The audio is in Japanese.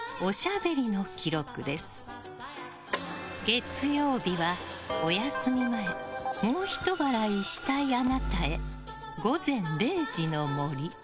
月曜日はお休み前もうひと笑いしたいあなたへ。